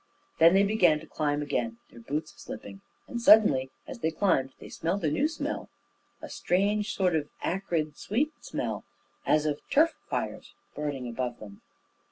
Then they began to climb again, their boots slipping, and suddenly as they climbed they smelt a new smell a strange sort of acrid, sweet smell, as of turf fires burning above them.